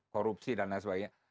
korupsi dan lain sebagainya